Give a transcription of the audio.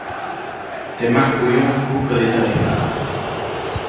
Teʼ majkuʼyomo, kujkädi näʼ ʼijtu.